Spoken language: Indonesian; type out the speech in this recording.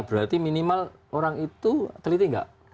berarti minimal orang itu teliti nggak